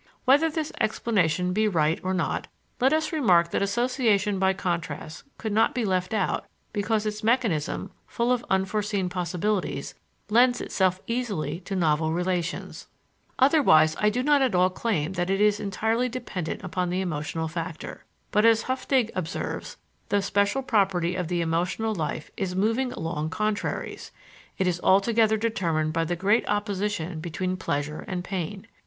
Whether this explanation be right or not, let us remark that association by contrast could not be left out, because its mechanism, full of unforeseen possibilities, lends itself easily to novel relations. Otherwise, I do not at all claim that it is entirely dependent upon the emotional factor. But, as Höffding observes, the special property of the emotional life is moving among contraries; it is altogether determined by the great opposition between pleasure and pain.